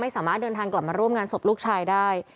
สามารถเดินทางกลับมาร่วมงานศพลูกชายได้